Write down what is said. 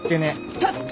ちょっと！